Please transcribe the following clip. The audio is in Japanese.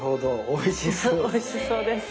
おいしそうです。